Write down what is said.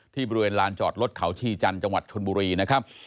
บริเวณลานจอดรถเขาชีจันทร์จังหวัดชนบุรีนะครับ